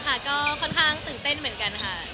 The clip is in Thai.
ค่ะก็ค่อนข้างตื่นเต้นเหมือนกันค่ะ